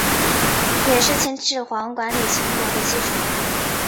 也是秦始皇管理秦国的基础。